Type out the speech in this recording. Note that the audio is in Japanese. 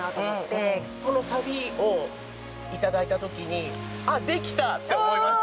僕は、このサビをいただいたときにあっ、できた！って思いました。